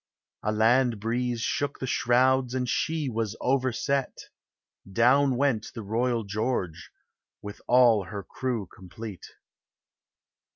A land breeze shook the shrouds, And she was overset; Down went the Royal George, With all her crew complete.